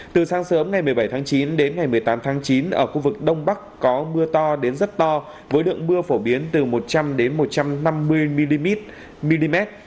từ sáng sớm ngày một mươi bảy tháng chín đến ngày một mươi tám tháng chín ở khu vực đông bắc có mưa to đến rất to với lượng mưa phổ biến từ một trăm linh một trăm năm mươi mm mm